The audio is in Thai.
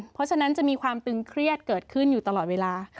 เพราะฉะนั้นจะมีความตึงเครียดเกิดขึ้นอยู่ตลอดเวลา